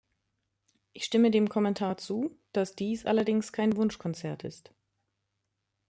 Ich stimme dem Kommentar zu, dass dies allerdings kein Wunschkonzert ist.